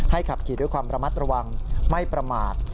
ขับขี่ด้วยความระมัดระวังไม่ประมาท